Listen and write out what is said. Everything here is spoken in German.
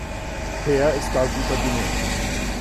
Peer ist da guter Dinge.